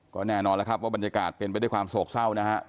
ก็แน่นอนแล้วครับว่าบรรยากาศเป็นไปด้วยความโศกเศร้านะฮะ